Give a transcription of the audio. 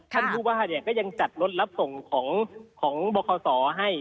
ท่านผู้ว่าก็ยังจัดรถรับส่งของบคศให้